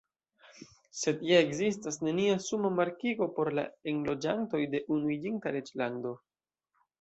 Sed ja ekzistas nenia suma markigo por la enloĝantoj de Unuiĝinta Reĝlando.